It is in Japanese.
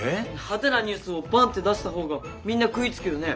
派手なニュースをバンッて出した方がみんな食いつくよね？